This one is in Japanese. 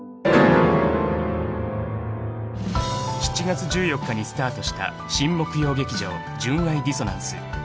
・［７月１４日にスタートした新木曜劇場『純愛ディソナンス』］